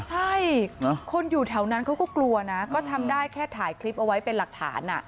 ใช่คนอยู่แถวนั้นเขาก็กลัวนะก็ทำได้แค่ถ่ายคลิปเอาไว้เป็นหลักฐาน